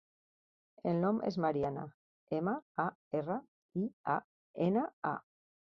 El nom és Mariana: ema, a, erra, i, a, ena, a.